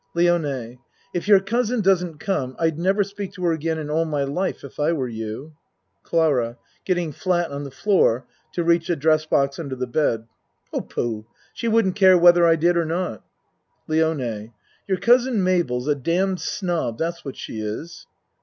LIONE If your cousin doesn't come, I'd never speak to her again in all my life, if I were you. CLARA (Getting flat on the floor to reach a dress box under the bed.) Oh, pooh! She wouldn't care whether I did or not. LIONE Your cousin Mabel's a damned snob that's what she is.